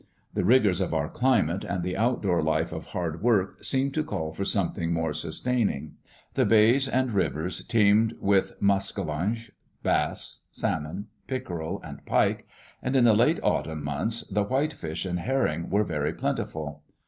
The rigors of our climate and the outdoor life of hard work seemed to call for something more sustaining. The bays and rivers teemed with maskalunge, bass, salmon, pickerel, and pike, and in the late autumn months the whitefish and herring were very plentiful.